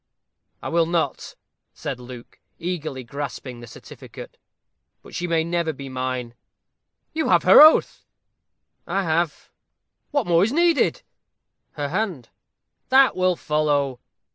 "I will not," said Luke, eagerly grasping the certificate; "but she never may be mine." "You have her oath?" "I have." "What more is needed?" "Her hand." "That will follow."